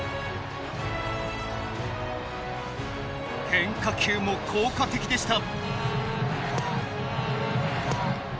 変化球も効果的でした。